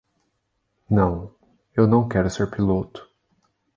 Não, eu não quero ser piloto.